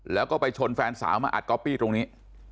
แล้วก็ไปชนแฟนสาวมาอัดก๊อปปี้ตรงนี้